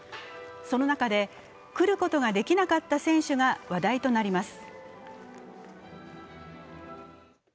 その中で来ることができなかった選手が話題となります。